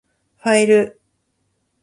ファイル